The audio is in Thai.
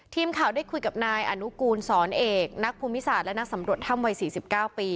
ทีมข่าวได้คุยกับนายอนุกูลสอนเอกนักภูมิศาสตร์และนักสำรวจถ้ำวัย๔๙ปี